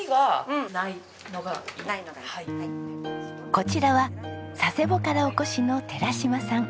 こちらは佐世保からお越しの寺島さん。